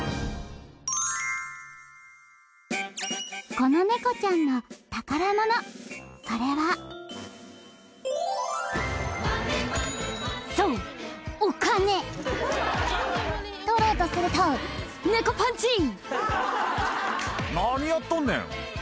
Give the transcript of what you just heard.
このネコちゃんの宝物それはそう取ろうとすると「何やっとんねん」